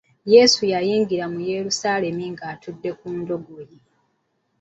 Yesu yayingira mu Yerusaalemi ng'atudde ku ndogoyi.